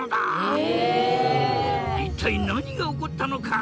一体何が起こったのか！？